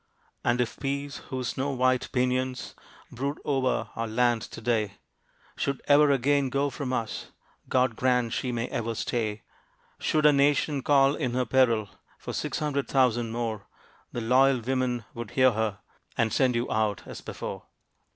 And if Peace, whose snow white pinions, Brood over our land to day, Should ever again go from us, (God grant she may ever stay!) Should our Nation call in her peril For "Six hundred thousand more," The loyal women would hear her, And send you out as before.